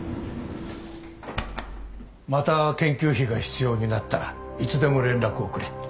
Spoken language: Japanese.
また研究費が必要になったらいつでも連絡をくれ。